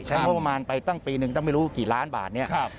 ใช้โมงประมาณไปตั้งปีนึงตั้งไม่รู้กี่ล้านบาทนี้